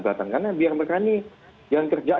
karena biar mereka ini yang kerja